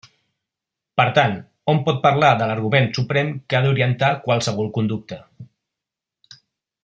Per tant, hom pot parlar de l'argument suprem que ha d'orientar qualsevol conducta.